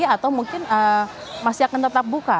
atau mungkin masih akan tetap buka